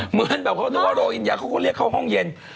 เหมือนแบบเขานึกว่าโรอินยาเขาก็เรียกเข้าห้องเย็น